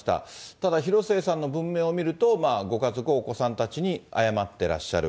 ただ、広末さんの文面を見ると、ご家族、お子さんたちに謝ってらっしゃる。